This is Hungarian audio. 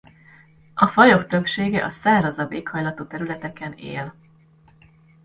A fajok többsége a szárazabb éghajlatú területeken él.